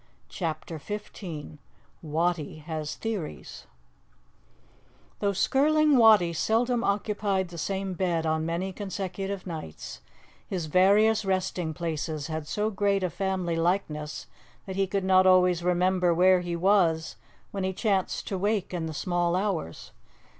CHAPTER XV WATTIE HAS THEORIES THOUGH Skirling Wattie seldom occupied the same bed on many consecutive nights, his various resting places had so great a family likeness that he could not always remember where he was when he chanced to wake in the small hours.